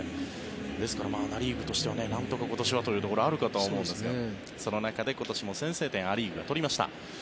ですからナ・リーグとしてはなんとか今年はというところがあるかもしれませんがその中で今年も先制点をア・リーグが取りました。